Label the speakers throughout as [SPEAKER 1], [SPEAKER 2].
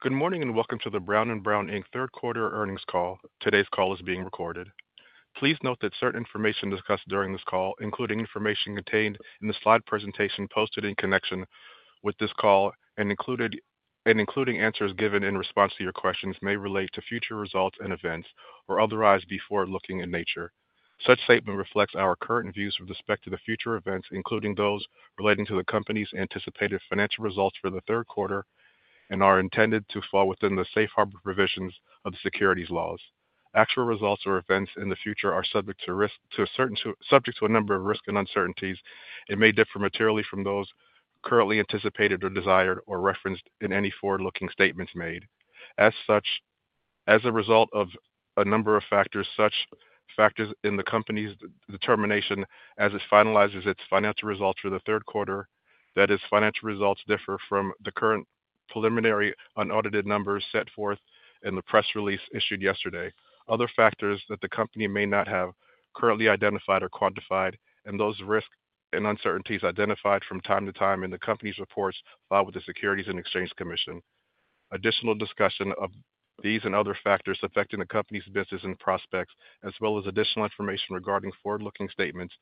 [SPEAKER 1] Good morning and welcome to the Brown & Brown Inc. third quarter earnings call. Today's call is being recorded. Please note that certain information discussed during this call, including information contained in the slide presentation posted in connection with this call and including answers given in response to your questions, may relate to future results and events or otherwise be forward-looking in nature. Such statement reflects our current views with respect to the future events, including those relating to the company's anticipated financial results for the third quarter and are intended to fall within the safe harbor provisions of the securities laws. Actual results or events in the future are subject to a number of risks and uncertainties and may differ materially from those currently anticipated or desired or referenced in any forward-looking statements made. As a result of a number of factors, such factors in the company's determination as it finalizes its financial results for the third quarter, that its financial results differ from the current preliminary unaudited numbers set forth in the press release issued yesterday. Other factors that the company may not have currently identified or quantified, and those risks and uncertainties identified from time to time in the company's reports filed with the Securities and Exchange Commission. Additional discussion of these and other factors affecting the company's business and prospects, as well as additional information regarding forward-looking statements,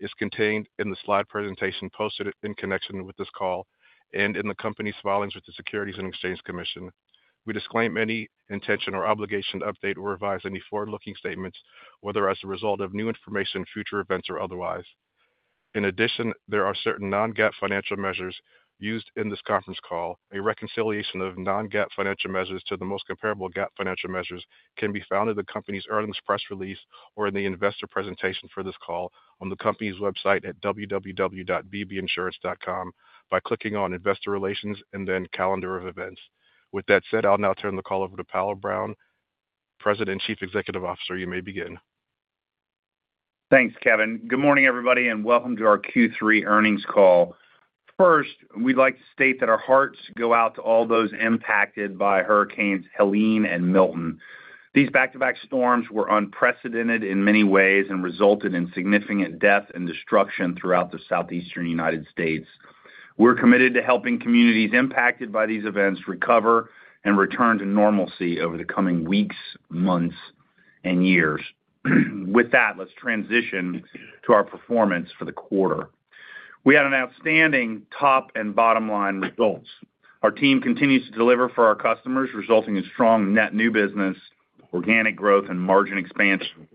[SPEAKER 1] is contained in the slide presentation posted in connection with this call and in the company's filings with the Securities and Exchange Commission. We disclaim any intention or obligation to update or revise any forward-looking statements, whether as a result of new information, future events, or otherwise. In addition, there are certain non-GAAP financial measures used in this conference call. A reconciliation of non-GAAP financial measures to the most comparable GAAP financial measures can be found in the company's earnings press release or in the investor presentation for this call on the company's website at www.bbinsurance.com by clicking on Investor Relations and then Calendar of Events. With that said, I'll now turn the call over to Powell Brown, President and Chief Executive Officer. You may begin.
[SPEAKER 2] Thanks, Kevin. Good morning, everybody, and welcome to our Q3 earnings call. First, we'd like to state that our hearts go out to all those impacted by Hurricanes Helene and Milton. These back-to-back storms were unprecedented in many ways and resulted in significant death and destruction throughout the southeastern United States. We're committed to helping communities impacted by these events recover and return to normalcy over the coming weeks, months, and years. With that, let's transition to our performance for the quarter. We had outstanding top and bottom-line results. Our team continues to deliver for our customers, resulting in strong net new business, organic growth, and margin expansion.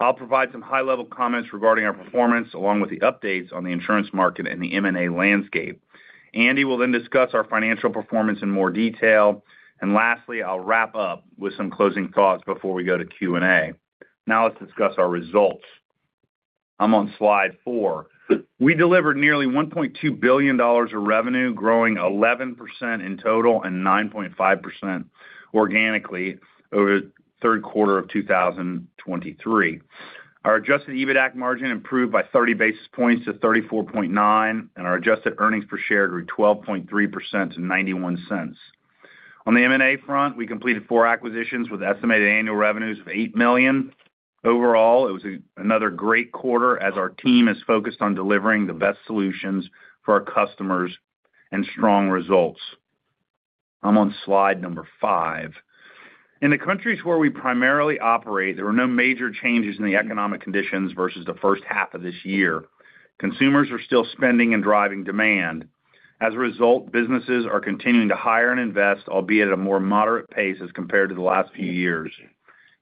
[SPEAKER 2] I'll provide some high-level comments regarding our performance along with the updates on the insurance market and the M&A landscape. Andy will then discuss our financial performance in more detail. Lastly, I'll wrap up with some closing thoughts before we go to Q&A. Now let's discuss our results. I'm on slide four. We delivered nearly $1.2 billion of revenue, growing 11% in total and 9.5% organically over the third quarter of 2023. Our adjusted EBITDA margin improved by 30 basis points to 34.9%. Our adjusted earnings per share grew 12.3% to $0.91. On the M&A front, we completed four acquisitions with estimated annual revenues of $8 million. Overall, it was another great quarter as our team is focused on delivering the best solutions for our customers and strong results. I'm on slide number five. In the countries where we primarily operate, there were no major changes in the economic conditions versus the first half of this year. Consumers are still spending and driving demand. As a result, businesses are continuing to hire and invest, albeit at a more moderate pace as compared to the last few years.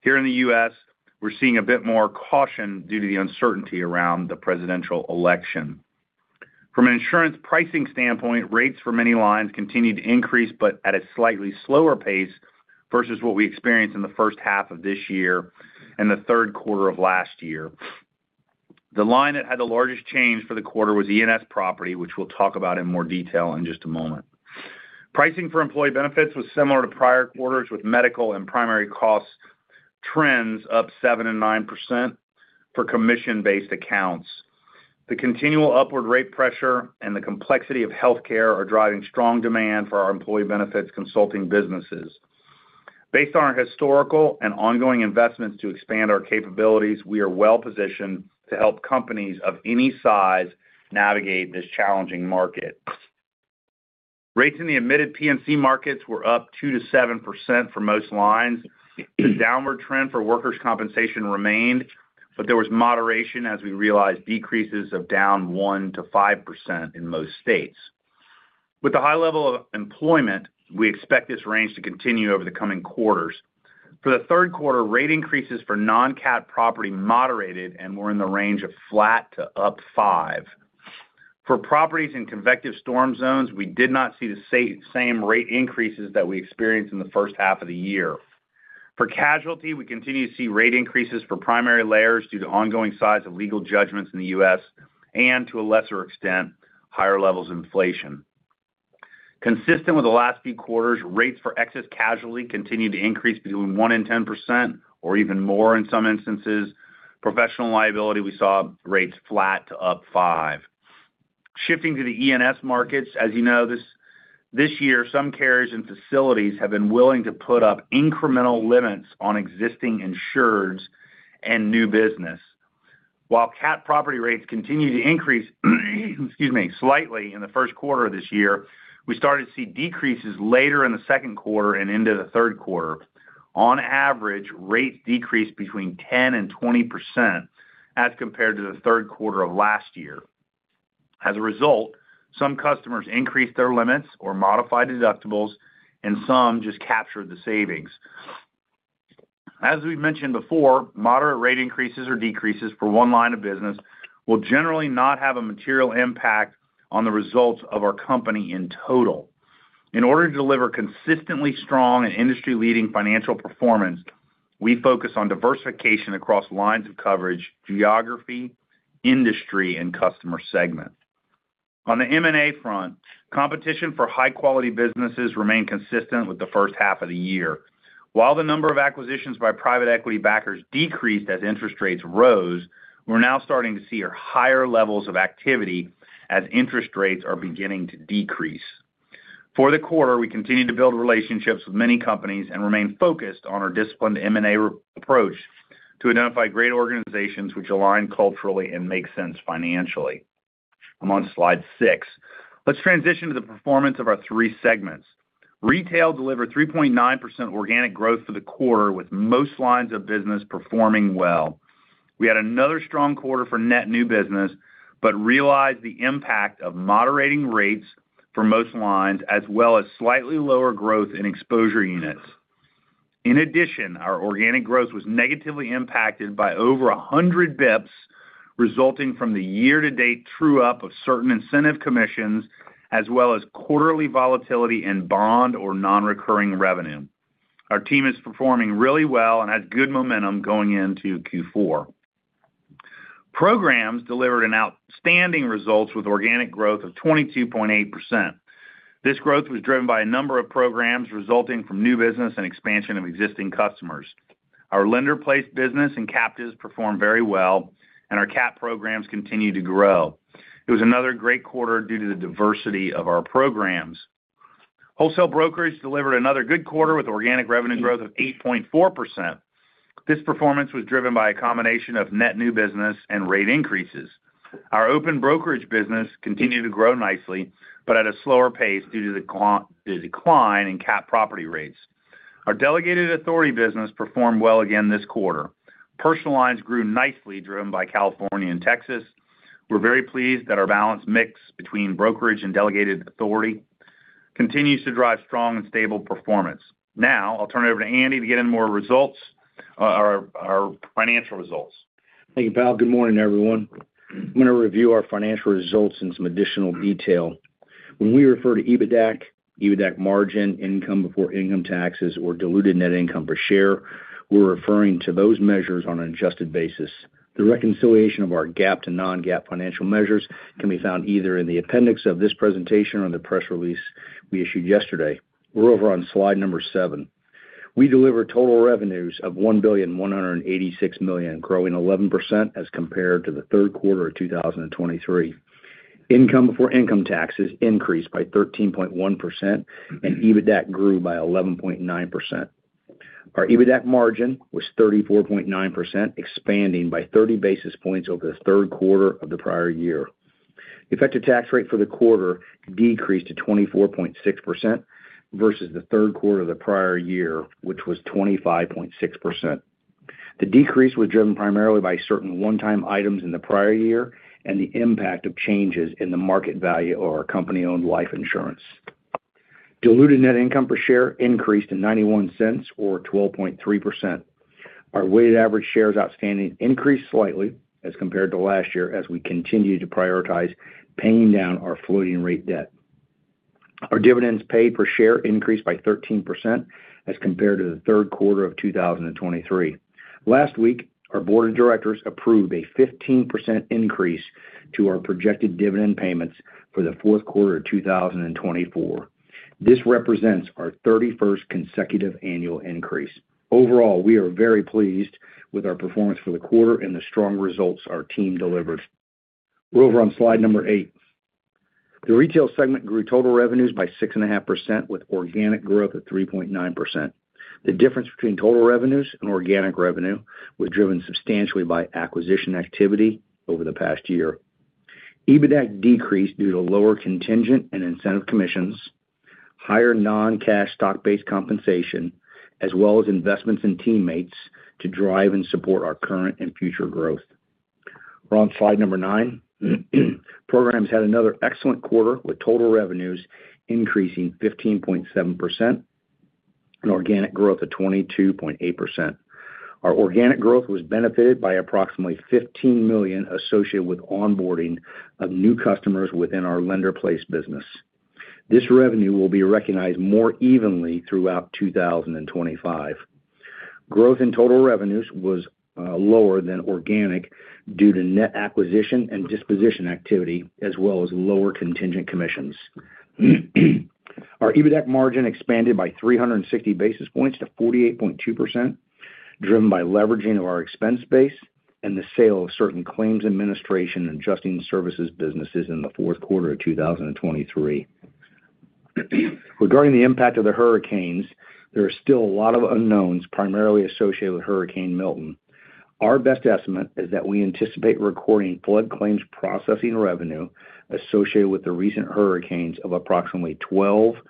[SPEAKER 2] Here in the U.S., we're seeing a bit more caution due to the uncertainty around the presidential election. From an insurance pricing standpoint, rates for many lines continue to increase, but at a slightly slower pace versus what we experienced in the first half of this year and the third quarter of last year. The line that had the largest change for the quarter was E&S Property, which we'll talk about in more detail in just a moment. Pricing for employee benefits was similar to prior quarters, with medical and primary cost trends up 7% and 9% for commission-based accounts. The continual upward rate pressure and the complexity of healthcare are driving strong demand for our employee benefits consulting businesses. Based on our historical and ongoing investments to expand our capabilities, we are well-positioned to help companies of any size navigate this challenging market. Rates in the admitted P&C markets were up 2%-7% for most lines. The downward trend for workers' compensation remained, but there was moderation as we realized decreases of down 1%-5% in most states. With the high level of employment, we expect this range to continue over the coming quarters. For the third quarter, rate increases for non-CAT property moderated, and we're in the range of flat to up five. For properties in convective storm zones, we did not see the same rate increases that we experienced in the first half of the year. For casualty, we continue to see rate increases for primary layers due to ongoing size of legal judgments in the U.S. and, to a lesser extent, higher levels of inflation. Consistent with the last few quarters, rates for excess casualty continued to increase between 1% and 10% or even more in some instances. Professional liability, we saw rates flat to up five. Shifting to the E&S markets, as you know, this year, some carriers and facilities have been willing to put up incremental limits on existing insureds and new business. While CAT property rates continue to increase, excuse me, slightly in the first quarter of this year, we started to see decreases later in the second quarter and into the third quarter. On average, rates decreased between 10% and 20% as compared to the third quarter of last year. As a result, some customers increased their limits or modified deductibles, and some just captured the savings. As we've mentioned before, moderate rate increases or decreases for one line of business will generally not have a material impact on the results of our company in total. In order to deliver consistently strong and industry-leading financial performance, we focus on diversification across lines of coverage, geography, industry, and customer segment. On the M&A front, competition for high-quality businesses remained consistent with the first half of the year. While the number of acquisitions by private equity backers decreased as interest rates rose, we're now starting to see higher levels of activity as interest rates are beginning to decrease. For the quarter, we continue to build relationships with many companies and remain focused on our disciplined M&A approach to identify great organizations which align culturally and make sense financially. I'm on slide six. Let's transition to the performance of our three segments. Retail delivered 3.9% organic growth for the quarter, with most lines of business performing well. We had another strong quarter for net new business but realized the impact of moderating rates for most lines, as well as slightly lower growth in exposure units. In addition, our organic growth was negatively impacted by over 100 basis points, resulting from the year-to-date true-up of certain incentive commissions, as well as quarterly volatility and bond or non-recurring revenue. Our team is performing really well and has good momentum going into Q4. Programs delivered outstanding results with organic growth of 22.8%. This growth was driven by a number of programs resulting from new business and expansion of existing customers. Our lender-placed business and captives performed very well, and our CAT programs continued to grow. It was another great quarter due to the diversity of our programs. Wholesale Brokerage delivered another good quarter with organic revenue growth of 8.4%. This performance was driven by a combination of net new business and rate increases. Our open brokerage business continued to grow nicely but at a slower pace due to the decline in CAT property rates. Our delegated authority business performed well again this quarter. Personal lines grew nicely, driven by California and Texas. We're very pleased that our balance mix between brokerage and delegated authority continues to drive strong and stable performance. Now I'll turn it over to Andy to get in more results, our financial results.
[SPEAKER 3] Thank you, Powell. Good morning, everyone. I'm going to review our financial results in some additional detail. When we refer to EBITDA, EBITDA margin, income before income taxes, or diluted net income per share, we're referring to those measures on an adjusted basis. The reconciliation of our GAAP to non-GAAP financial measures can be found either in the appendix of this presentation or the press release we issued yesterday. We're over on slide number seven. We delivered total revenues of $1,186 million, growing 11% as compared to the third quarter of 2023. Income before income taxes increased by 13.1%, and EBITDA grew by 11.9%. Our EBITDA margin was 34.9%, expanding by 30 basis points over the third quarter of the prior year. Effective tax rate for the quarter decreased to 24.6% versus the third quarter of the prior year, which was 25.6%. The decrease was driven primarily by certain one-time items in the prior year and the impact of changes in the market value of our company-owned life insurance. Diluted net income per share increased to $0.91, or 12.3%. Our weighted average shares outstanding increased slightly as compared to last year as we continue to prioritize paying down our floating-rate debt. Our dividends paid per share increased by 13% as compared to the third quarter of 2023. Last week, our board of directors approved a 15% increase to our projected dividend payments for the fourth quarter of 2024. This represents our 31st consecutive annual increase. Overall, we are very pleased with our performance for the quarter and the strong results our team delivered. We're over on slide number eight. The Retail segment grew total revenues by 6.5% with organic growth of 3.9%. The difference between total revenues and organic revenue was driven substantially by acquisition activity over the past year. EBITDA decreased due to lower contingent and incentive commissions, higher non-cash stock-based compensation, as well as investments in teammates to drive and support our current and future growth. We're on slide number nine. Programs had another excellent quarter with total revenues increasing 15.7% and organic growth of 22.8%. Our organic growth was benefited by approximately $15 million associated with onboarding of new customers within our lender-placed business. This revenue will be recognized more evenly throughout 2025. Growth in total revenues was lower than organic due to net acquisition and disposition activity, as well as lower contingent commissions. Our EBITDA margin expanded by 360 basis points to 48.2%, driven by leveraging of our expense base and the sale of certain claims administration and adjusting services businesses in the fourth quarter of 2023. Regarding the impact of the hurricanes, there are still a lot of unknowns primarily associated with Hurricane Milton. Our best estimate is that we anticipate recording flood claims processing revenue associated with the recent hurricanes of approximately $12-$15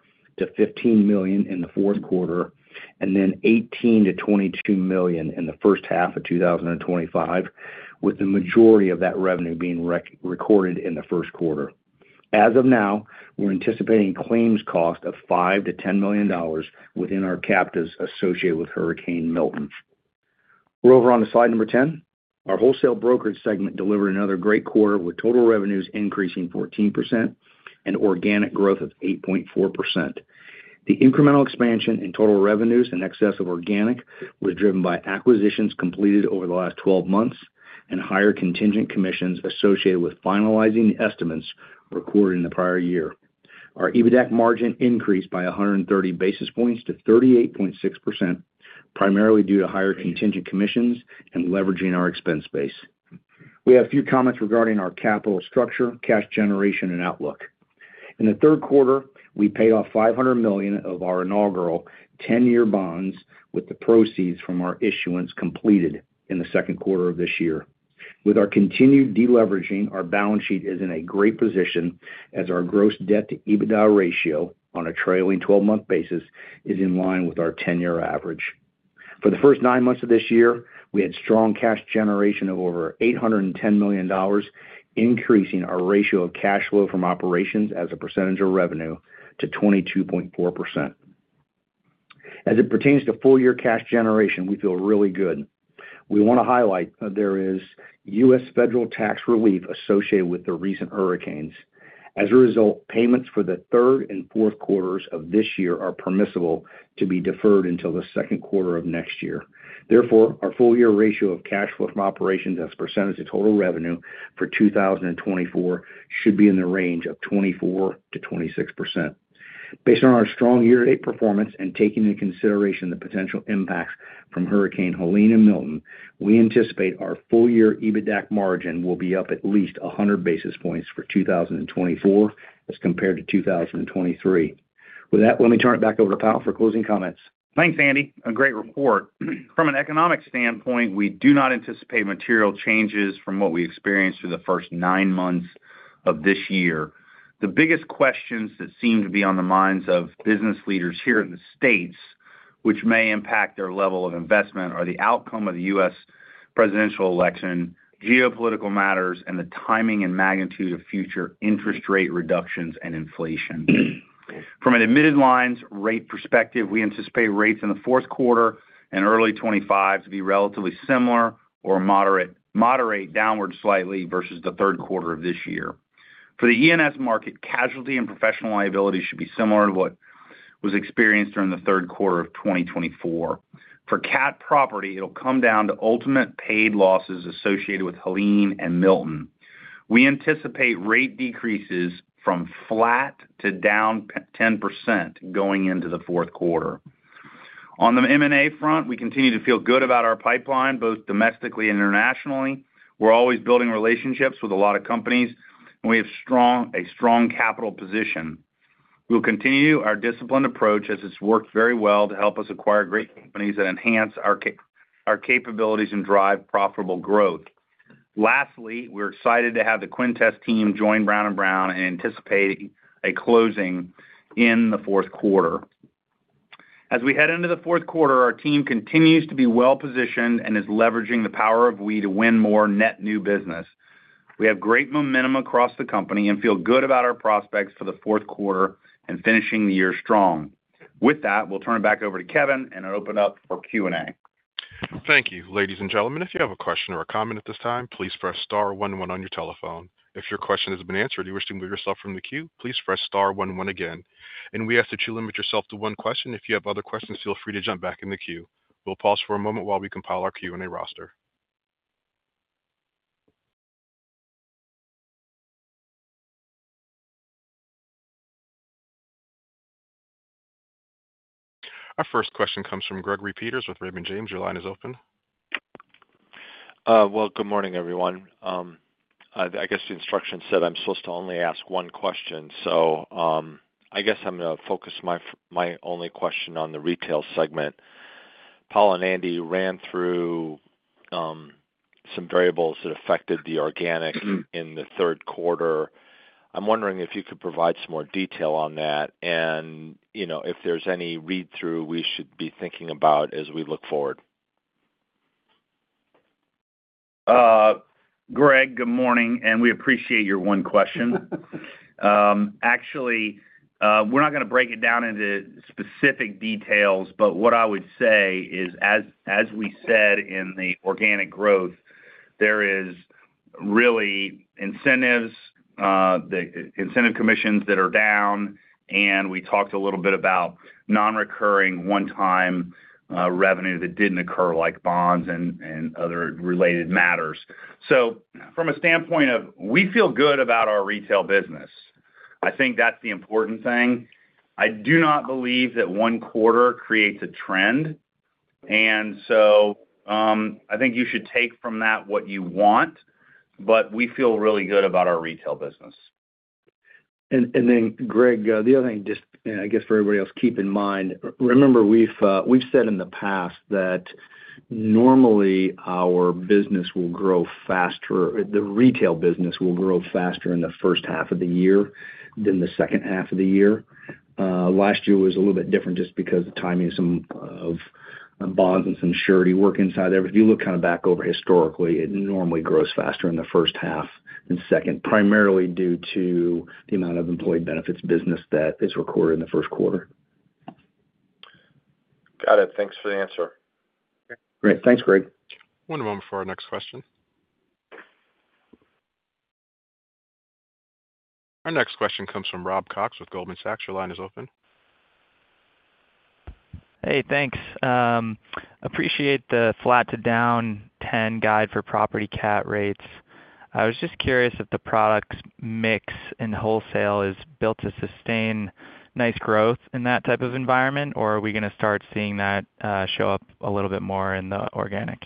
[SPEAKER 3] million in the fourth quarter and then $18-$22 million in the first half of 2025, with the majority of that revenue being recorded in the first quarter. As of now, we're anticipating claims cost of $5-$10 million within our captives associated with Hurricane Milton. We're over on slide number ten. Our Wholesale Brokerage segment delivered another great quarter with total revenues increasing 14% and organic growth of 8.4%. The incremental expansion in total revenues in excess of organic was driven by acquisitions completed over the last 12 months and higher contingent commissions associated with finalizing estimates recorded in the prior year. Our EBITDA margin increased by 130 basis points to 38.6%, primarily due to higher contingent commissions and leveraging our expense base. We have a few comments regarding our capital structure, cash generation, and outlook. In the third quarter, we paid off $500 million of our inaugural 10-year bonds with the proceeds from our issuance completed in the second quarter of this year. With our continued deleveraging, our balance sheet is in a great position as our gross debt-to-EBITDA ratio on a trailing 12-month basis is in line with our 10-year average. For the first nine months of this year, we had strong cash generation of over $810 million, increasing our ratio of cash flow from operations as a percentage of revenue to 22.4%. As it pertains to four-year cash generation, we feel really good. We want to highlight that there is U.S. federal tax relief associated with the recent hurricanes. As a result, payments for the third and fourth quarters of this year are permissible to be deferred until the second quarter of next year. Therefore, our full-year ratio of cash flow from operations as a percentage of total revenue for 2024 should be in the range of 24%-26%. Based on our strong year-to-date performance and taking into consideration the potential impacts from Hurricane Helene and Milton, we anticipate our full-year EBITDA margin will be up at least 100 basis points for 2024 as compared to 2023. With that, let me turn it back over to Powell for closing comments.
[SPEAKER 2] Thanks, Andy. A great report. From an economic standpoint, we do not anticipate material changes from what we experienced through the first nine months of this year. The biggest questions that seem to be on the minds of business leaders here in the States, which may impact their level of investment, are the outcome of the U.S. presidential election, geopolitical matters, and the timing and magnitude of future interest rate reductions and inflation. From an admitted lines rate perspective, we anticipate rates in the fourth quarter and early 2025 to be relatively similar or moderate, downward slightly versus the third quarter of this year. For the E&S market, casualty and professional liability should be similar to what was experienced during the third quarter of 2024. For CAT property, it'll come down to ultimate paid losses associated with Helene and Milton. We anticipate rate decreases from flat to down 10% going into the fourth quarter. On the M&A front, we continue to feel good about our pipeline, both domestically and internationally. We're always building relationships with a lot of companies, and we have a strong capital position. We'll continue our disciplined approach as it's worked very well to help us acquire great companies that enhance our capabilities and drive profitable growth. Lastly, we're excited to have the Quintes team join Brown & Brown and anticipate a closing in the fourth quarter. As we head into the fourth quarter, our team continues to be well-positioned and is leveraging the Power of We to win more net new business. We have great momentum across the company and feel good about our prospects for the fourth quarter and finishing the year strong. With that, we'll turn it back over to Kevin and open up for Q&A.
[SPEAKER 1] Thank you. Ladies and gentlemen, if you have a question or a comment at this time, please press star one one on your telephone. If your question has been answered and you wish to move yourself from the queue, please press star one one again, and we ask that you limit yourself to one question. If you have other questions, feel free to jump back in the queue. We'll pause for a moment while we compile our Q&A roster. Our first question comes from Gregory Peters with Raymond James. Your line is open.
[SPEAKER 4] Good morning, everyone. I guess the instruction said I'm supposed to only ask one question. I guess I'm going to focus my only question on the Retail segment. Powell and Andy ran through some variables that affected the organic in the third quarter. I'm wondering if you could provide some more detail on that and if there's any read-through we should be thinking about as we look forward.
[SPEAKER 2] Greg, good morning, and we appreciate your one question. Actually, we're not going to break it down into specific details, but what I would say is, as we said in the organic growth, there is really incentives, the incentive commissions that are down, and we talked a little bit about non-recurring one-time revenue that didn't occur, like bonds and other related matters. So from a standpoint of we feel good about our retail business, I think that's the important thing. I do not believe that one quarter creates a trend, and so I think you should take from that what you want, but we feel really good about our retail business.
[SPEAKER 3] Then, Greg, the other thing, just I guess for everybody else, keep in mind. Remember we've said in the past that normally our business will grow faster, the retail business will grow faster in the first half of the year than the second half of the year. Last year was a little bit different just because of the timing of some bonds and some surety work inside there. But if you look kind of back over historically, it normally grows faster in the first half than second, primarily due to the amount of employee benefits business that is recorded in the first quarter.
[SPEAKER 4] Got it. Thanks for the answer.
[SPEAKER 3] Great. Thanks, Greg.
[SPEAKER 1] One moment for our next question. Our next question comes from Rob Cox with Goldman Sachs. Your line is open.
[SPEAKER 5] Hey, thanks. Appreciate the flat to down 10% guide for property cat rates. I was just curious if the product's mix in wholesale is built to sustain nice growth in that type of environment, or are we going to start seeing that show up a little bit more in the organic?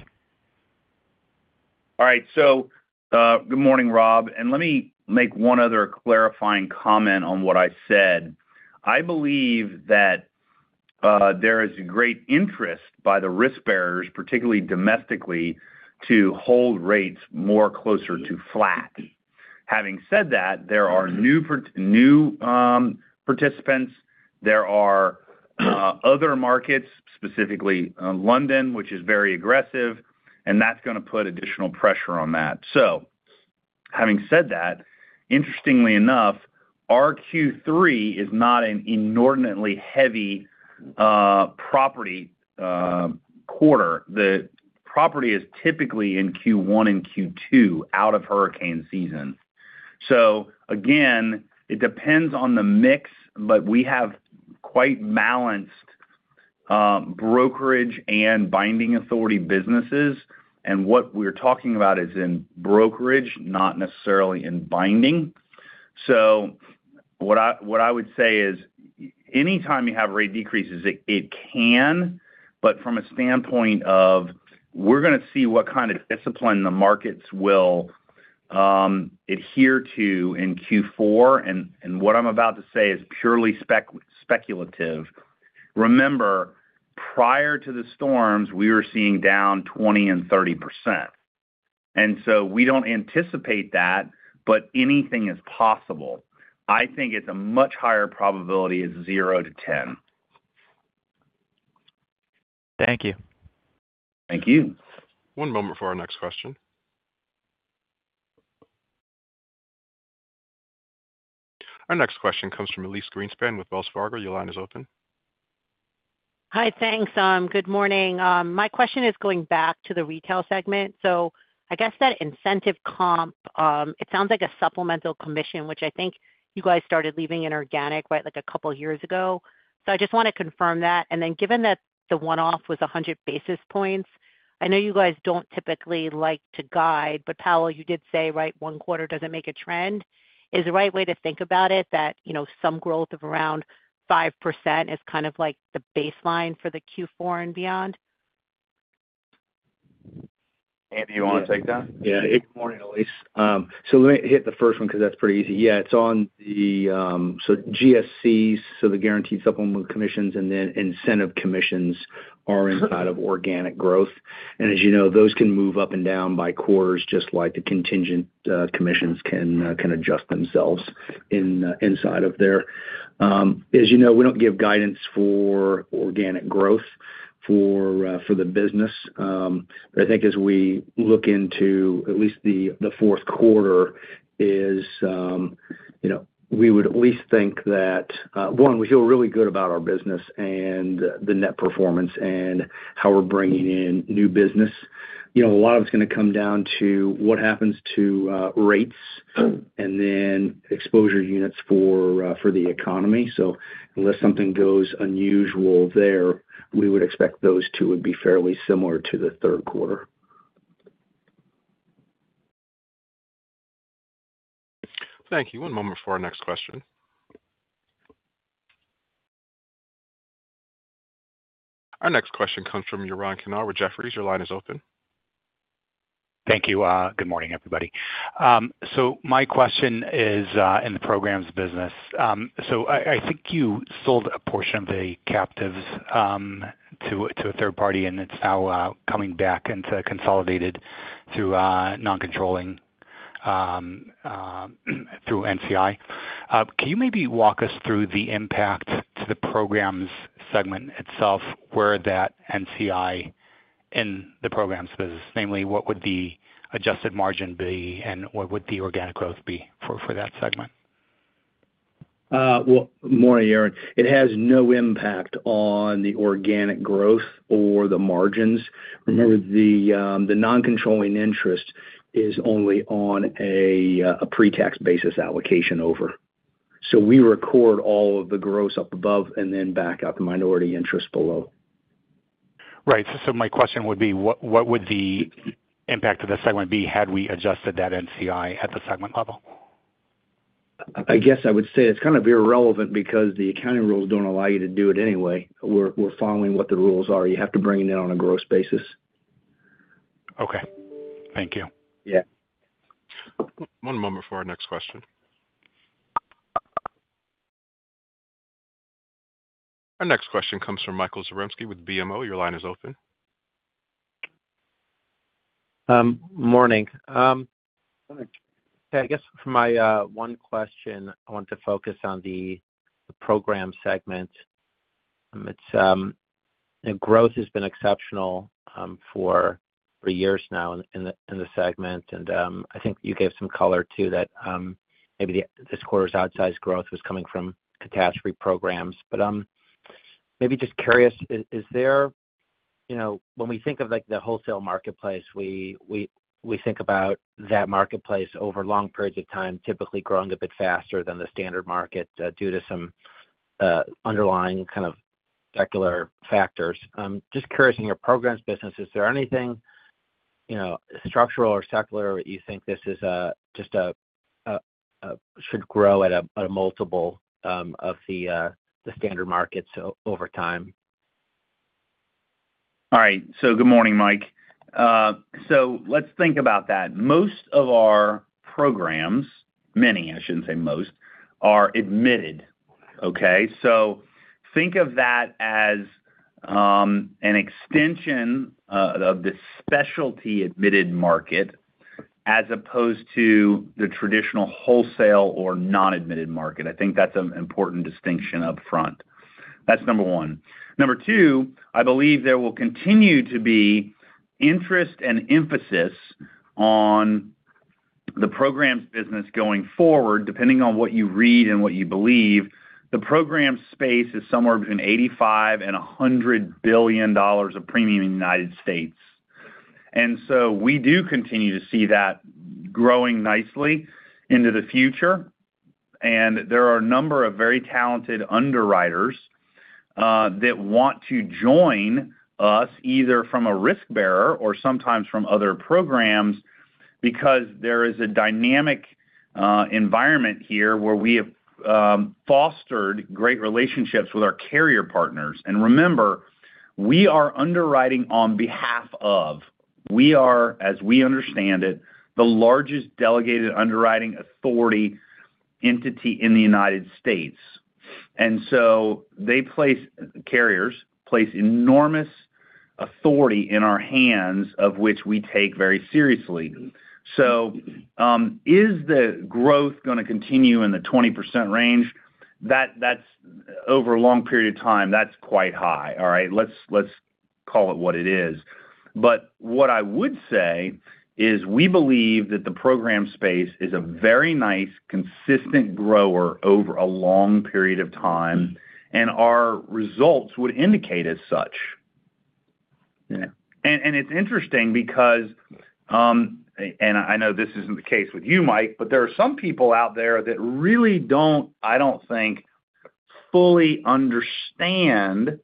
[SPEAKER 2] All right, so good morning, Rob, and let me make one other clarifying comment on what I said. I believe that there is a great interest by the risk bearers, particularly domestically, to hold rates more closer to flat. Having said that, there are new participants. There are other markets, specifically London, which is very aggressive, and that's going to put additional pressure on that. So having said that, interestingly enough, our Q3 is not an inordinately heavy property quarter. The property is typically in Q1 and Q2 out of hurricane season, so again, it depends on the mix, but we have quite balanced brokerage and binding authority businesses and what we're talking about is in brokerage, not necessarily in binding. So what I would say is anytime you have rate decreases, it can, but from a standpoint of we're going to see what kind of discipline the markets will adhere to in Q4. What I'm about to say is purely speculative. Remember, prior to the storms, we were seeing down 20% and 30%, and so we don't anticipate that, but anything is possible. I think it's a much higher probability as 0% to 10%.
[SPEAKER 5] Thank you.
[SPEAKER 2] Thank you.
[SPEAKER 1] One moment for our next question. Our next question comes from Elise Greenspan with Wells Fargo. Your line is open.
[SPEAKER 6] Hi, thanks. Good morning. My question is going back to the Retail segment. So I guess that incentive comp, it sounds like a supplemental commission, which I think you guys started leaving in organic, right, like a couple of years ago. So I just want to confirm that. Then given that the one-off was 100 basis points, I know you guys don't typically like to guide, but Powell, you did say, right, one quarter doesn't make a trend. Is the right way to think about it that some growth of around 5% is kind of like the baseline for the Q4 and beyond?
[SPEAKER 2] Andy, you want to take that?
[SPEAKER 3] Yeah. Good morning, Elise. So let me hit the first one because that's pretty easy. Yeah, it's on the so GSCs, so the guaranteed supplemental commissions and then incentive commissions are inside of organic growth. As you know, those can move up and down by quarters, just like the contingent commissions can adjust themselves inside of there. As you know, we don't give guidance for organic growth for the business but I think as we look into at least the fourth quarter, we would at least think that, one, we feel really good about our business and the net performance and how we're bringing in new business. A lot of it's going to come down to what happens to rates and then exposure units for the economy. So unless something goes unusual there, we would expect those two would be fairly similar to the third quarter.
[SPEAKER 1] Thank you. One moment for our next question. Our next question comes from Yoran Kinar with Jefferies. Your line is open.
[SPEAKER 7] Thank you. Good morning, everybody. So my question is in the programs business. So I think you sold a portion of the captives to a third party, and it's now coming back and consolidated through non-controlling through NCI. Can you maybe walk us through the impact to the programs segment itself where that NCI in the programs business, namely, what would the adjusted margin be and what would the organic growth be for that segment?
[SPEAKER 3] More of it has no impact on the organic growth or the margins. Remember, the non-controlling interest is only on a pre-tax basis allocation over. So we record all of the growth up above and then back out the minority interest below.
[SPEAKER 7] Right. So my question would be, what would the impact of the segment be had we adjusted that NCI at the segment level?
[SPEAKER 3] I guess I would say it's kind of irrelevant because the accounting rules don't allow you to do it anyway. We're following what the rules are. You have to bring it in on a gross basis.
[SPEAKER 7] Okay. Thank you.
[SPEAKER 3] Yeah.
[SPEAKER 1] One moment for our next question. Our next question comes from Michael Zaremski with BMO. Your line is open.
[SPEAKER 8] Morning. Yeah, I guess for my one question, I want to focus on the Programs Segment. The growth has been exceptional for years now in the segment and I think you gave some color to that. Maybe this quarter's outsized growth was coming from catastrophe programs. But maybe just curious, is there, when we think of the wholesale marketplace, we think about that marketplace over long periods of time typically growing a bit faster than the standard market due to some underlying kind of secular factors. Just curious in your Programs business, is there anything structural or secular that you think this is just should grow at a multiple of the standard markets over time?
[SPEAKER 2] All right. So good morning, Mike. So let's think about that. Most of our programs, many, I shouldn't say most, are admitted. Okay? So think of that as an extension of the specialty admitted market as opposed to the traditional wholesale or non-admitted market. I think that's an important distinction upfront. That's number one. Number two, I believe there will continue to be interest and emphasis on the programs business going forward. Depending on what you read and what you believe, the program space is somewhere between $85-$100 billion of premium in the United States. So we do continue to see that growing nicely into the future. There are a number of very talented underwriters that want to join us either from a risk bearer or sometimes from other programs because there is a dynamic environment here where we have fostered great relationships with our carrier partners. Remember, we are underwriting on behalf of, as we understand it, the largest delegated underwriting authority entity in the United States. The carriers place enormous authority in our hands, of which we take very seriously. Is the growth going to continue in the 20% range? Over a long period of time, that's quite high. All right. Let's call it what it is. What I would say is we believe that the program space is a very nice consistent grower over a long period of time, and our results would indicate as such. It's interesting because, and I know this isn't the case with you, Mike, but there are some people out there that really don't, I don't think, fully understand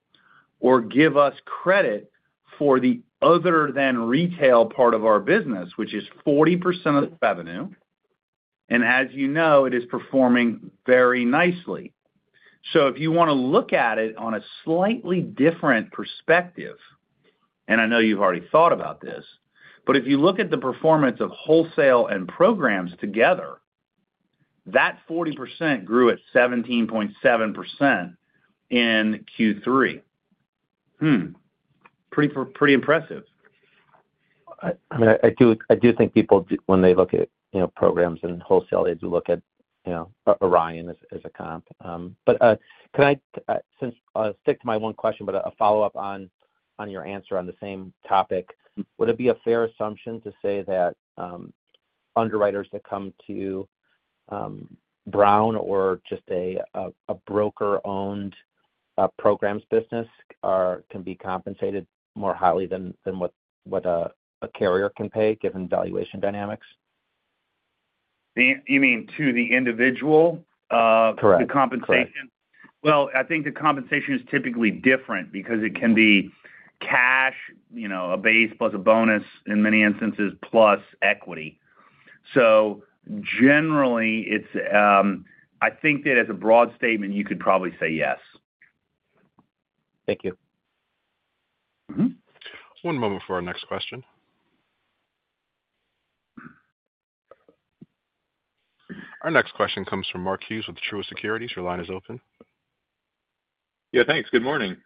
[SPEAKER 2] or give us credit for the other than retail part of our business, which is 40% of the revenue and as you know, it is performing very nicely. So if you want to look at it on a slightly different perspective, and I know you've already thought about this, but if you look at the performance of wholesale and programs together, that 40% grew at 17.7% in Q3. Pretty impressive.
[SPEAKER 8] I mean, I do think people, when they look at programs and wholesale, they do look at Ryan as a comp. But can I stick to my one question, but a follow-up on your answer on the same topic? Would it be a fair assumption to say that underwriters that come to Brown or just a broker-owned programs business can be compensated more highly than what a carrier can pay given valuation dynamics?
[SPEAKER 2] You mean to the individual?
[SPEAKER 8] Correct.
[SPEAKER 2] The compensation? Well, I think the compensation is typically different because it can be cash, a base plus a bonus in many instances, plus equity. So generally, I think that as a broad statement, you could probably say yes.
[SPEAKER 8] Thank you.
[SPEAKER 1] One moment for our next question. Our next question comes from Mark Hughes with Truist Securities. Your line is open.
[SPEAKER 9] Yeah, thanks. Good morning.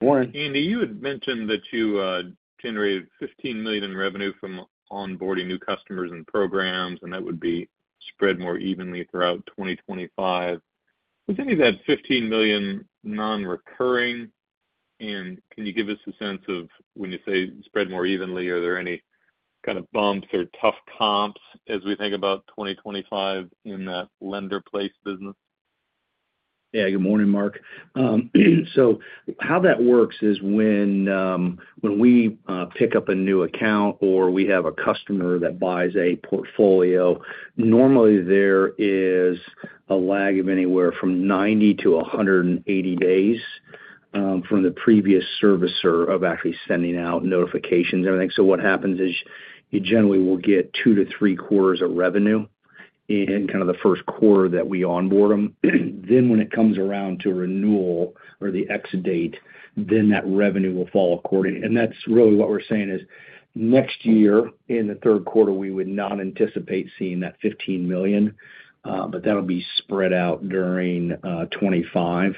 [SPEAKER 2] Morning.
[SPEAKER 9] Andy, you had mentioned that you generated $15 million in revenue from onboarding new customers and programs, and that would be spread more evenly throughout 2025. Is any of that $15 million non-recurring, and can you give us a sense of when you say spread more evenly, are there any kind of bumps or tough comps as we think about 2025 in that lender-placed business?
[SPEAKER 3] Yeah. Good morning, Mark. So how that works is when we pick up a new account or we have a customer that buys a portfolio, normally there is a lag of anywhere from 90-180 days from the previous servicer of actually sending out notifications and everything. So what happens is you generally will get two to three quarters of revenue in kind of the first quarter that we onboard them. Then when it comes around to renewal or the exit date, then that revenue will fall according. That's really what we're saying is next year in the third quarter, we would not anticipate seeing that $15 million, but that'll be spread out during 2025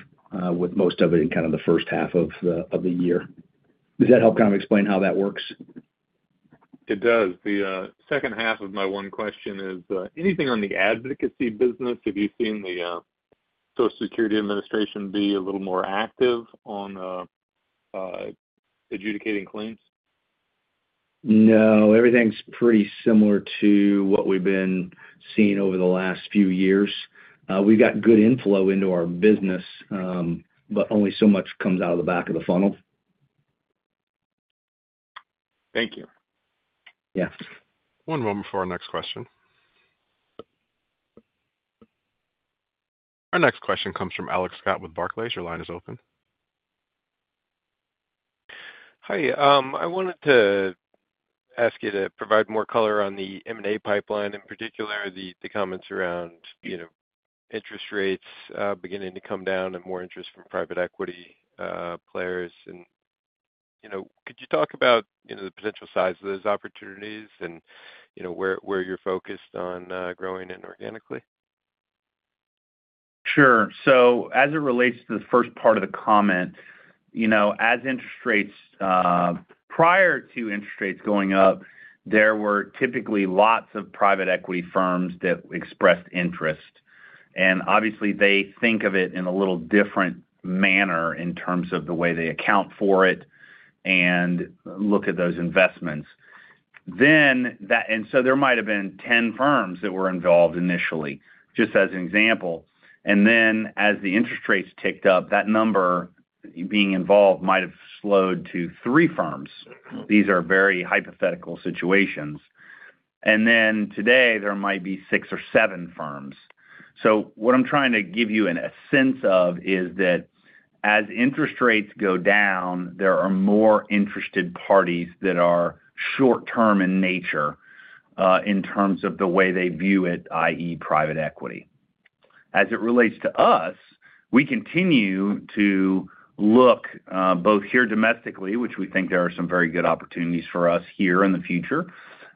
[SPEAKER 3] with most of it in kind of the first half of the year. Does that help kind of explain how that works?
[SPEAKER 9] It does. The second half of my one question is anything on the advocacy business? Have you seen the Social Security Administration be a little more active on adjudicating claims?
[SPEAKER 3] No. Everything's pretty similar to what we've been seeing over the last few years. We've got good inflow into our business, but only so much comes out of the back of the funnel.
[SPEAKER 9] Thank you.
[SPEAKER 8] Yeah.
[SPEAKER 1] One moment for our next question. Our next question comes from Alex Scott with Barclays. Your line is open.
[SPEAKER 10] Hi. I wanted to ask you to provide more color on the M&A pipeline, in particular the comments around interest rates beginning to come down and more interest from private equity players, and could you talk about the potential size of those opportunities and where you're focused on growing inorganically?
[SPEAKER 2] Sure. So as it relates to the first part of the comment, as interest rates prior to interest rates going up, there were typically lots of private equity firms that expressed interest and obviously, they think of it in a little different manner in terms of the way they account for it and look at those investments. So there might have been 10 firms that were involved initially, just as an example. Then as the interest rates ticked up, that number being involved might have slowed to three firms. These are very hypothetical situations. Then today, there might be six or seven firms. So what I'm trying to give you a sense of is that as interest rates go down, there are more interested parties that are short-term in nature in terms of the way they view it, i.e., private equity. As it relates to us, we continue to look both here domestically, which we think there are some very good opportunities for us here in the future,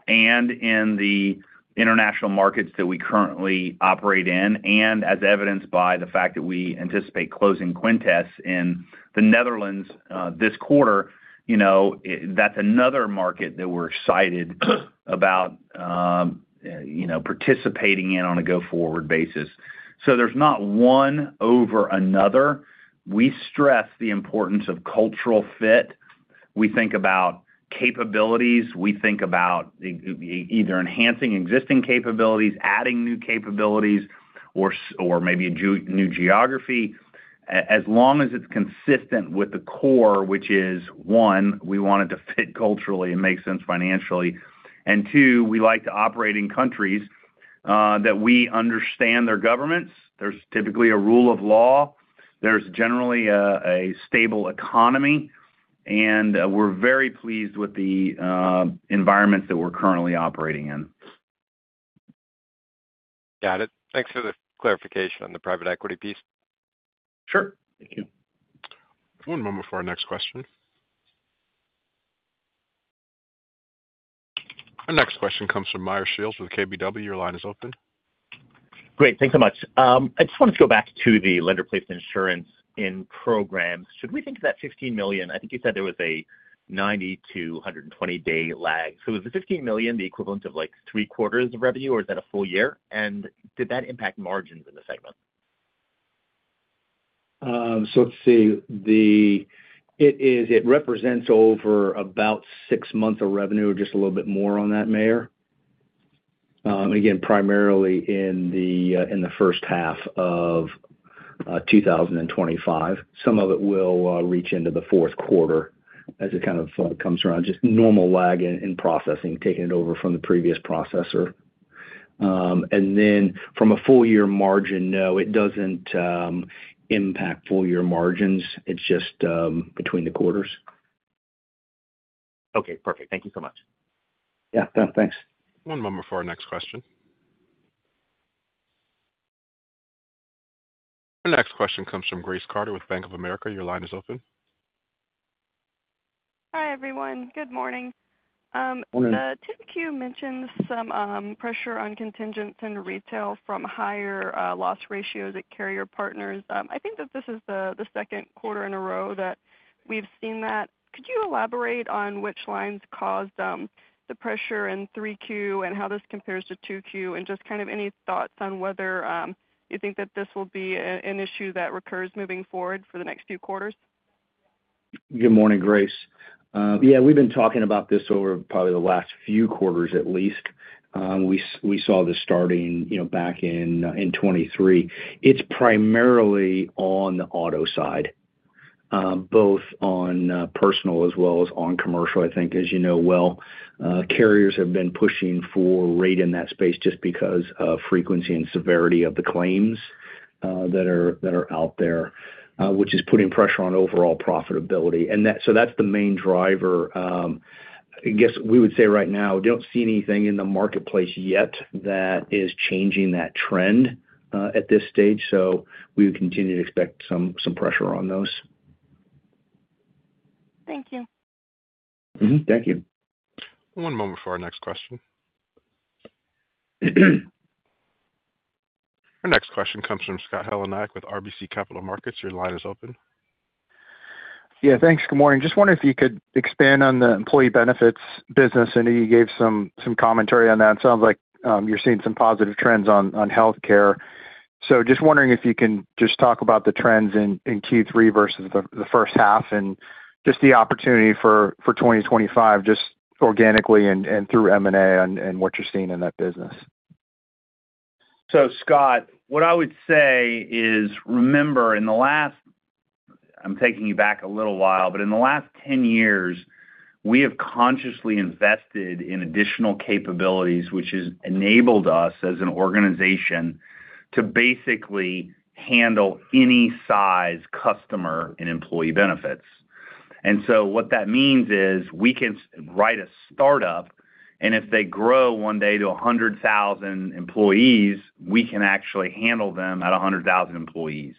[SPEAKER 2] and in the international markets that we currently operate in, and as evidenced by the fact that we anticipate closing Quintes in the Netherlands this quarter, that's another market that we're excited about participating in on a go-forward basis. So there's not one over another. We stress the importance of cultural fit. We think about capabilities. We think about either enhancing existing capabilities, adding new capabilities, or maybe a new geography. As long as it's consistent with the core, which is, one, we want it to fit culturally and make sense financially, and two, we like to operate in countries that we understand their governments. There's typically a rule of law. There's generally a stable economy. We're very pleased with the environments that we're currently operating in.
[SPEAKER 10] Got it. Thanks for the clarification on the private equity piece.
[SPEAKER 3] Sure. Thank you.
[SPEAKER 1] One moment for our next question. Our next question comes from Meyer Shields with KBW. Your line is open.
[SPEAKER 11] Great. Thanks so much. I just wanted to go back to the lender-placed insurance in programs. Should we think of that $15 million? I think you said there was a 90-120-day lag. So is the $15 million the equivalent of like 3/4 of revenue, or is that a full year and did that impact margins in the segment?
[SPEAKER 3] So let's see. It represents over about six months of revenue, just a little bit more on that, Meyer. Again, primarily in the first half of 2025. Some of it will reach into the fourth quarter as it kind of comes around, just normal lag in processing, taking it over from the previous processor. Then from a full-year margin, no, it doesn't impact full-year margins. It's just between the quarters.
[SPEAKER 11] Okay. Perfect. Thank you so much.
[SPEAKER 3] Yeah. Thanks.
[SPEAKER 1] One moment for our next question. Our next question comes from Grace Carter with Bank of America. Your line is open.
[SPEAKER 12] Hi, everyone. Good morning.
[SPEAKER 2] Morning.
[SPEAKER 12] I think you mentioned some pressure on contingents in retail from higher loss ratios at carrier partners. I think that this is the second quarter in a row that we've seen that. Could you elaborate on which lines caused the pressure in 3Q and how this compares to 2Q, and just kind of any thoughts on whether you think that this will be an issue that recurs moving forward for the next few quarters?
[SPEAKER 3] Good morning, Grace. Yeah, we've been talking about this over probably the last few quarters at least. We saw this starting back in 2023. It's primarily on the auto side, both on personal as well as on commercial. I think, as you know well, carriers have been pushing for rate in that space just because of frequency and severity of the claims that are out there, which is putting pressure on overall profitability. So that's the main driver. I guess we would say right now, we don't see anything in the marketplace yet that is changing that trend at this stage. So we would continue to expect some pressure on those.
[SPEAKER 12] Thank you.
[SPEAKER 3] Thank you.
[SPEAKER 1] One moment for our next question. Our next question comes from Scott Heleniak with RBC Capital Markets. Your line is open.
[SPEAKER 13] Yeah. Thanks. Good morning. Just wondering if you could expand on the employee benefits business, and you gave some commentary on that. It sounds like you're seeing some positive trends on healthcare. So just wondering if you can just talk about the trends in Q3 versus the first half and just the opportunity for 2025, just organically and through M&A and what you're seeing in that business.
[SPEAKER 2] Scott, what I would say is, remember, in the last. I'm taking you back a little whil, but in the last 10 years, we have consciously invested in additional capabilities, which has enabled us as an organization to basically handle any size customer and employee benefits. So what that means is we can write a startup, and if they grow one day to 100,000 employees, we can actually handle them at 100,000 employees.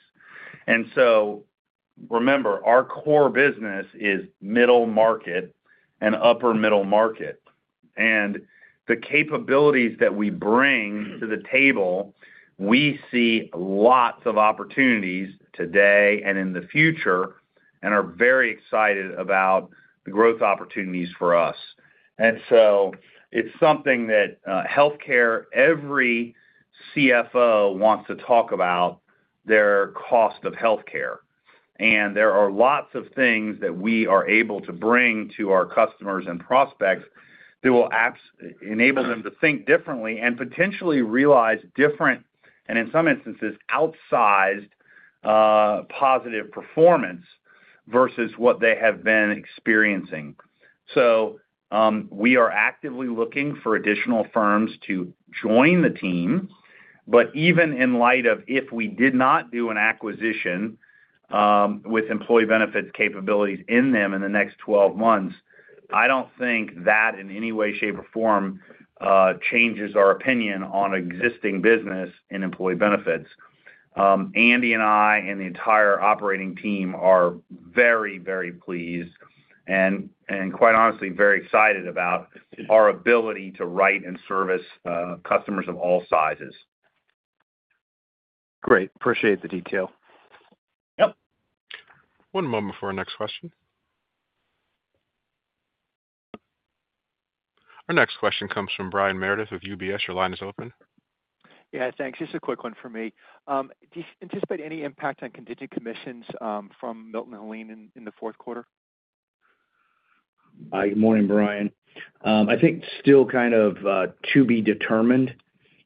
[SPEAKER 2] So remember, our core business is middle market and upper middle market, and the capabilities that we bring to the table, we see lots of opportunities today and in the future and are very excited about the growth opportunities for us. So it's something that healthcare, every CFO wants to talk about their cost of healthcare. There are lots of things that we are able to bring to our customers and prospects that will enable them to think differently and potentially realize different and, in some instances, outsized positive performance versus what they have been experiencing. So we are actively looking for additional firms to join the team, but even in light of if we did not do an acquisition with employee benefits capabilities in them in the next 12 months, I don't think that in any way, shape, or form changes our opinion on existing business in employee benefits. Andy and I and the entire operating team are very, very pleased and, quite honestly, very excited about our ability to write and service customers of all sizes.
[SPEAKER 13] Great. Appreciate the detail.
[SPEAKER 2] Yep.
[SPEAKER 1] One moment for our next question. Our next question comes from Brian Meredith of UBS. Your line is open.
[SPEAKER 14] Yeah. Thanks. Just a quick one for me. Do you anticipate any impact on contingent commissions from Milton and Helene in the fourth quarter?
[SPEAKER 3] Hi. Good morning, Brian. I think still kind of to be determined.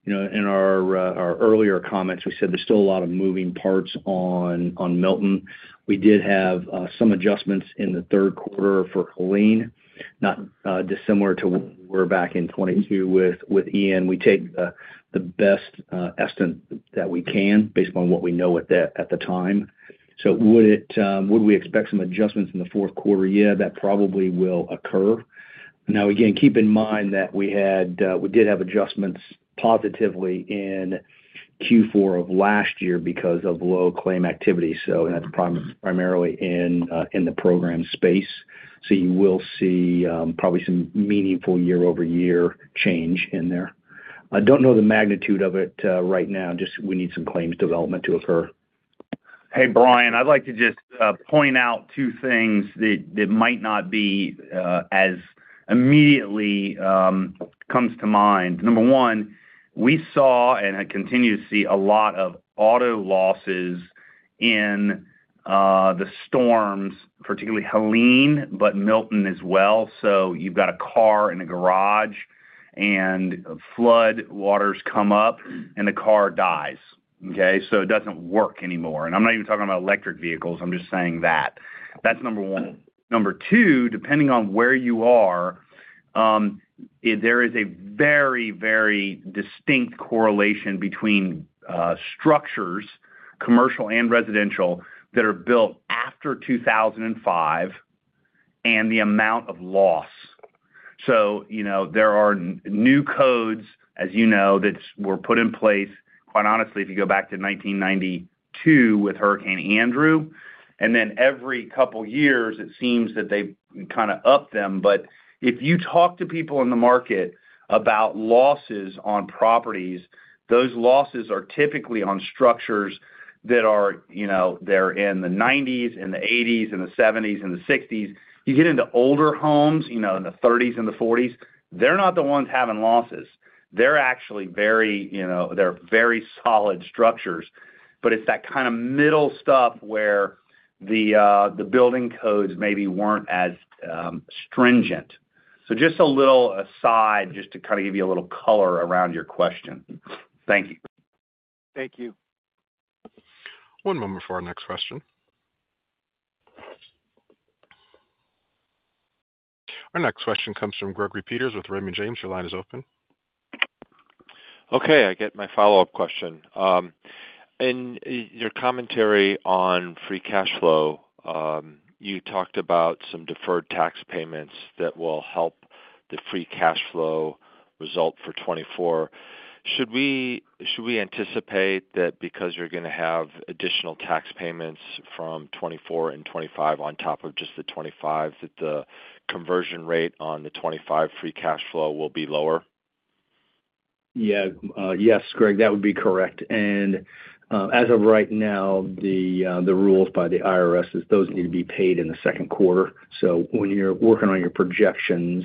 [SPEAKER 3] In our earlier comments, we said there's still a lot of moving parts on Milton. We did have some adjustments in the third quarter for Helene, not dissimilar to where we're back in 2022 with Ian. We take the best estimate that we can based upon what we know at the time. So would we expect some adjustments in the fourth quarter? Yeah, that probably will occur. Now, again, keep in mind that we did have adjustments positively in Q4 of last year because of low claim activity. So that's primarily in the program space. So you will see probably some meaningful year-over-year change in there. I don't know the magnitude of it right now. Just we need some claims development to occur.
[SPEAKER 2] Hey, Brian, I'd like to just point out two things that might not be as immediately come to mind. Number one, we saw and continue to see a lot of auto losses in the storms, particularly Helene, but Milton as well. So you've got a car in a garage, and floodwaters come up, and the car dies. Okay? So it doesn't work anymore. I'm not even talking about electric vehicles. I'm just saying that. That's number one. Number two, depending on where you are, there is a very, very distinct correlation between structures, commercial and residential, that are built after 2005 and the amount of loss. So there are new codes, as you know, that were put in place, quite honestly, if you go back to 1992 with Hurricane Andrew. Then every couple of years, it seems that they kind of up them. But if you talk to people in the market about losses on properties, those losses are typically on structures that are there in the 1990s and the 1980s and the 1970s and the 1960s. You get into older homes in the 1930s and the 1940s, they're not the ones having losses. They're actually very solid structures but it's that kind of middle stuff where the building codes maybe weren't as stringent. So just a little aside just to kind of give you a little color around your question. Thank you.
[SPEAKER 13] Thank you.
[SPEAKER 1] One moment for our next question. Our next question comes from Gregory Peters with Raymond James. Your line is open.
[SPEAKER 4] Okay. I get my follow-up question. In your commentary on free cash flow, you talked about some deferred tax payments that will help the free cash flow result for 2024. Should we anticipate that because you're going to have additional tax payments from 2024 and 2025 on top of just the 2025, that the conversion rate on the 2025 free cash flow will be lower?
[SPEAKER 3] Yeah. Yes, Greg, that would be correct. As of right now, the rules by the IRS is those need to be paid in the second quarter. So when you're working on your projections,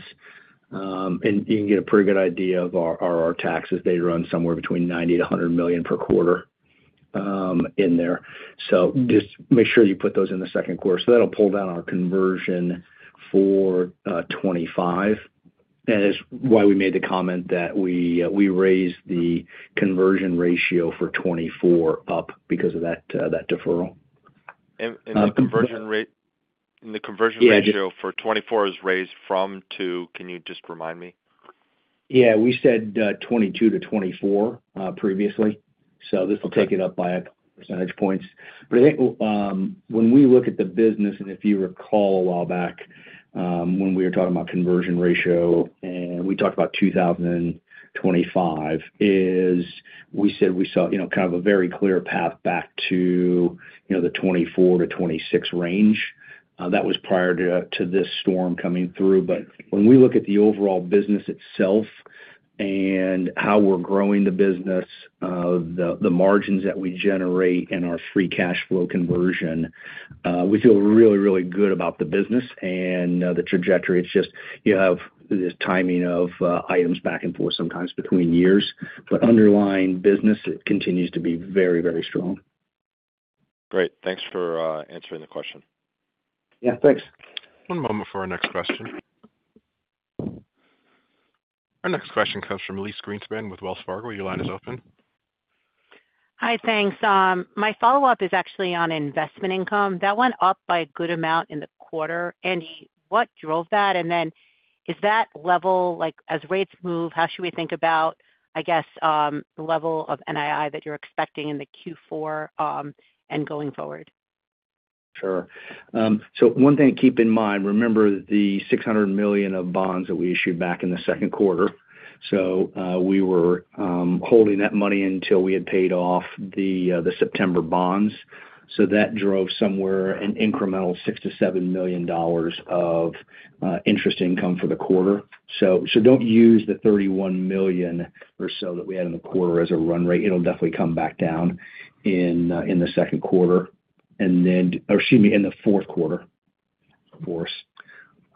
[SPEAKER 3] you can get a pretty good idea of our taxes. They run somewhere between $90 million-$100 million per quarter in there. So just make sure you put those in the second quarter. So that'll pull down our conversion for 2025 and it's why we made the comment that we raised the conversion ratio for 2024 up because of that deferral.
[SPEAKER 4] The conversion ratio for 2024 is raised from to. Can you just remind me?
[SPEAKER 3] Yeah. We said 2022 to 2024 previously. So this will take it up by a couple of percentage points. But I think when we look at the business, and if you recall a while back when we were talking about conversion ratio, and we talked about 2025, we said we saw kind of a very clear path back to the 2024-2026 range. That was prior to this storm coming through. But when we look at the overall business itself and how we're growing the business, the margins that we generate in our free cash flow conversion, we feel really, really good about the business and the trajectory. It's just you have this timing of items back and forth sometimes between years but underlying business, it continues to be very, very strong.
[SPEAKER 4] Great. Thanks for answering the question.
[SPEAKER 3] Yeah. Thanks.
[SPEAKER 1] One moment for our next question. Our next question comes from Elise Greenspan with Wells Fargo. Your line is open.
[SPEAKER 6] Hi. Thanks. My follow-up is actually on investment income. That went up by a good amount in the quarter. Andy, what drove that? Then, is that level, as rates move, how should we think about, I guess, the level of NII that you're expecting in the Q4 and going forward?
[SPEAKER 3] Sure. So one thing to keep in mind, remember the $600 million of bonds that we issued back in the second quarter. So we were holding that money until we had paid off the September bonds. So that drove somewhere an incremental $6 million-$7 million of interest income for the quarter. So don't use the $31 million or so that we had in the quarter as a run rate. It'll definitely come back down in the second quarter and then—or excuse me—in the fourth quarter, of course.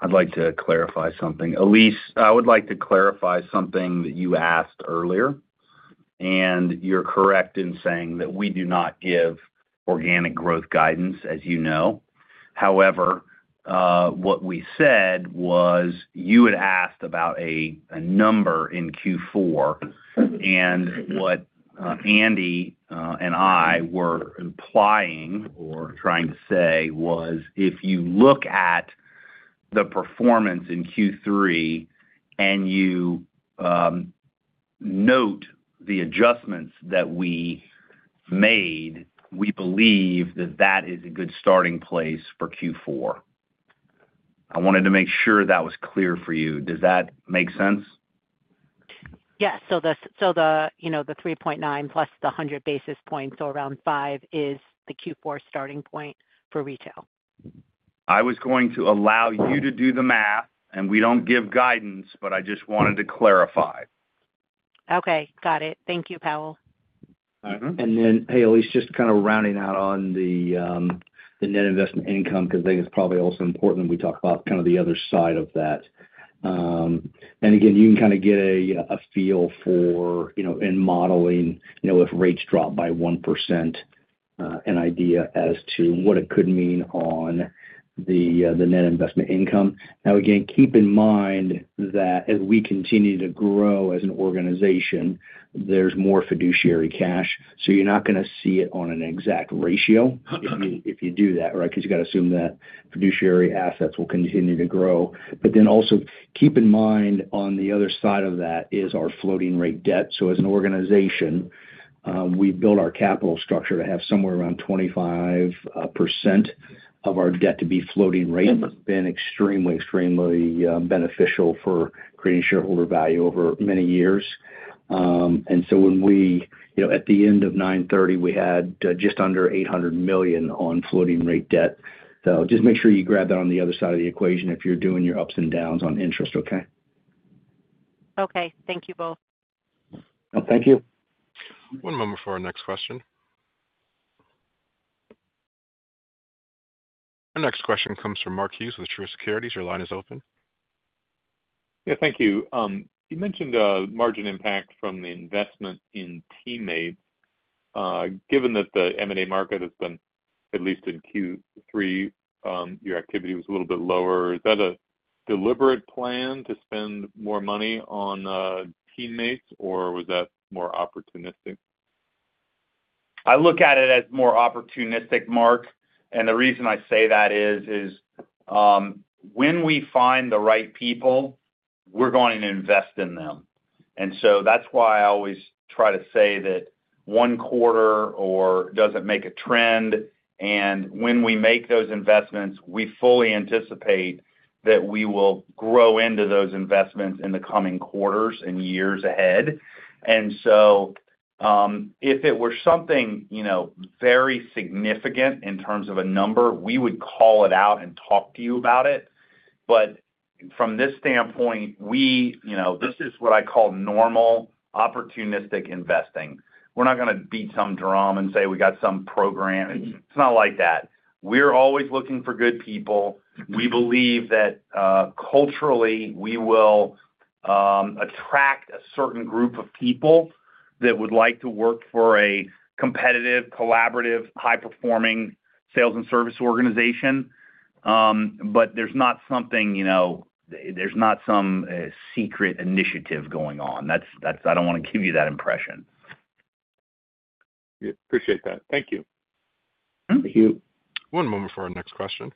[SPEAKER 2] I'd like to clarify something. Elise, I would like to clarify something that you asked earlier, and you're correct in saying that we do not give organic growth guidance, as you know. However, what we said was you had asked about a number in Q4. What Andy and I were implying or trying to say was, if you look at the performance in Q3 and you note the adjustments that we made, we believe that that is a good starting place for Q4. I wanted to make sure that was clear for you. Does that make sense?
[SPEAKER 6] Yes, so the 3.9 plus the 100 basis points, so around 5, is the Q4 starting point for Retail.
[SPEAKER 2] I was going to allow you to do the math, and we don't give guidance, but I just wanted to clarify.
[SPEAKER 6] Okay. Got it. Thank you, Powell.
[SPEAKER 3] Then, hey, Elise, just kind of rounding out on the net investment income because I think it's probably also important that we talk about kind of the other side of that. Again, you can kind of get a feel for in modeling if rates drop by 1%, an idea as to what it could mean on the net investment income. Now, again, keep in mind that as we continue to grow as an organization, there's more fiduciary cash. So you're not going to see it on an exact ratio if you do that, right, because you've got to assume that fiduciary assets will continue to grow. But then also keep in mind on the other side of that is our floating-rate debt. So as an organization, we built our capital structure to have somewhere around 25% of our debt to be floating rate. It's been extremely, extremely beneficial for creating shareholder value over many years, and so when we, at the end of 9/30, we had just under $800 million on floating-rate debt. So just make sure you grab that on the other side of the equation if you're doing your ups and downs on interest, okay?
[SPEAKER 6] Okay. Thank you both.
[SPEAKER 3] Thank you.
[SPEAKER 1] One moment for our next question. Our next question comes from Mark Hughes with Truist Securities. Your line is open.
[SPEAKER 9] Yeah. Thank you. You mentioned margin impact from the investment in teammates. Given that the M&A market has been, at least in Q3, your activity was a little bit lower, is that a deliberate plan to spend more money on teammates, or was that more opportunistic?
[SPEAKER 2] I look at it as more opportunistic, Mark. The reason I say that is, when we find the right people, we're going to invest in them. So that's why I always try to say that one quarter doesn't make a trend, and when we make those investments, we fully anticipate that we will grow into those investments in the coming quarters and years ahead. So if it were something very significant in terms of a number, we would call it out and talk to you about it, but from this standpoint, this is what I call normal opportunistic investing. We're not going to beat some drum and say we got some program. It's not like that. We're always looking for good people. We believe that culturally, we will attract a certain group of people that would like to work for a competitive, collaborative, high-performing sales and service organization but there's not something, there's not some secret initiative going on. I don't want to give you that impression.
[SPEAKER 9] Appreciate that. Thank you.
[SPEAKER 3] Thank you.
[SPEAKER 1] One moment for our next question.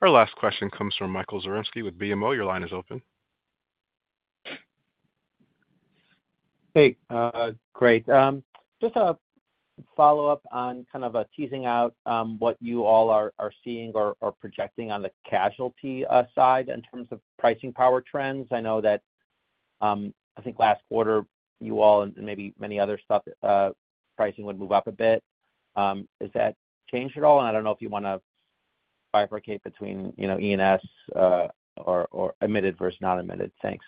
[SPEAKER 1] Our last question comes from Michael Zaremski with BMO. Your line is open.
[SPEAKER 8] Hey. Great. Just a follow-up on kind of teasing out what you all are seeing or projecting on the casualty side in terms of pricing power trends. I know that I think last quarter, you all and maybe many others, pricing would move up a bit. Has that changed at all? I don't know if you want to bifurcate between E&S or admitted versus non-admitted. Thanks.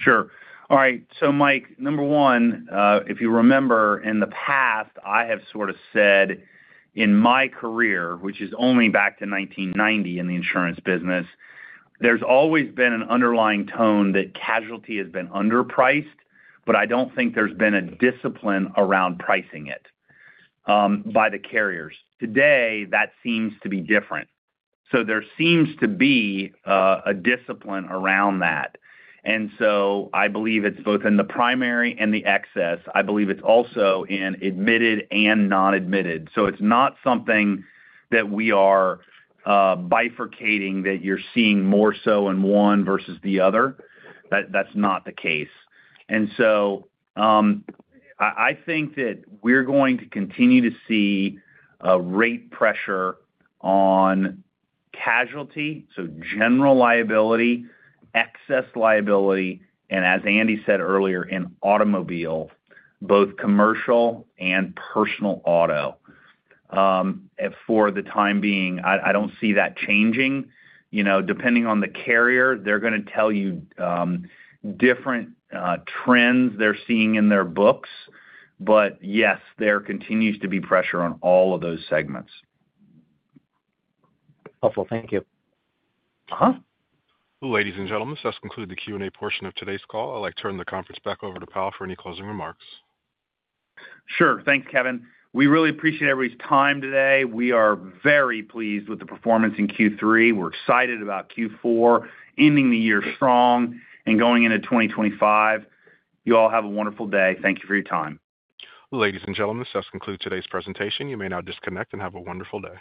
[SPEAKER 2] Sure. All right. So Mike, number one, if you remember, in the past, I have sort of said in my career, which is only back to 1990 in the insurance business, there's always been an underlying tone that casualty has been underpriced, but I don't think there's been a discipline around pricing it by the carriers. Today, that seems to be different. So there seems to be a discipline around that. So I believe it's both in the primary and the excess. I believe it's also in admitted and non-admitted. So it's not something that we are bifurcating that you're seeing more so in one versus the other. That's not the case. So I think that we're going to continue to see rate pressure on casualty, so general liability, excess liability, and as Andy said earlier, in automobile, both commercial and personal auto. For the time being, I don't see that changing. Depending on the carrier, they're going to tell you different trends they're seeing in their books, but yes, there continues to be pressure on all of those segments.
[SPEAKER 8] Helpful. Thank you.
[SPEAKER 1] Ladies and gentlemen, this does conclude the Q&A portion of today's call. I'd like to turn the conference back over to Powell for any closing remarks.
[SPEAKER 2] Sure. Thanks, Kevin. We really appreciate everybody's time today. We are very pleased with the performance in Q3. We're excited about Q4, ending the year strong and going into 2025. You all have a wonderful day. Thank you for your time.
[SPEAKER 1] Ladies and gentlemen, this does conclude today's presentation. You may now disconnect and have a wonderful day.